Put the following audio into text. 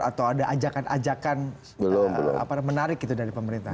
atau ada ajakan ajakan menarik itu dari pemerintahan